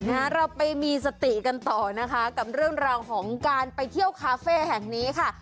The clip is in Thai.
เราไปมีสติกันต่อนะคะกับเรื่องราวของการไปเที่ยวคาเฟ่แห่งนี้ค่ะ